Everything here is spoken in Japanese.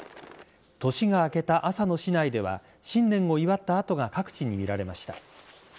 年が明けた朝の市内では新年を祝った跡が各地に見られました。